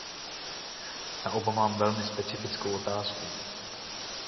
Na oba mám velmi specifickou otázku.